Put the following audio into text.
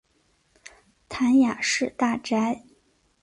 谭雅士大宅。